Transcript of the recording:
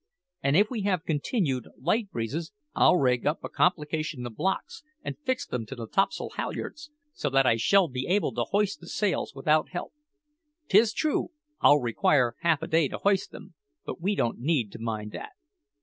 And if we have continued light breezes, I'll rig up a complication of blocks and fix them to the topsail halyards, so that I shall be able to hoist the sails without help. 'Tis true I'll require half a day to hoist them, but we don't need to mind that.